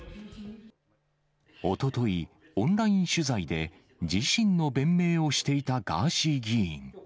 おととい、オンライン取材で自身の弁明をしていたガーシー議員。